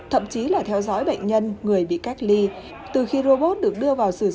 thậm chí là theo dõi bệnh nhân người bị cách ly từ khi robot được đưa vào